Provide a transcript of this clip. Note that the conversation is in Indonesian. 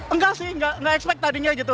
enggak sih nggak expect tadinya gitu